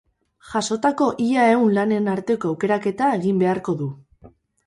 Jasotako ia ehun lanen arteko aukeraketa egin beharko du.